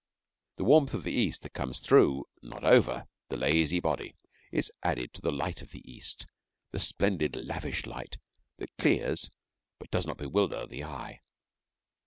The warmth of the East, that goes through, not over, the lazy body, is added to the light of the East the splendid lavish light that clears but does not bewilder the eye.